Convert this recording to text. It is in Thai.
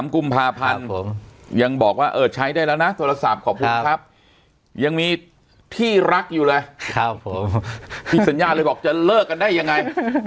ยังบอกว่าเออใช้ได้แล้วนะโทรศัพท์ขอบคุณครับยังมีที่รักอยู่เลยพี่สัญญาเลยบอกจะเลิกกันได้ยังไง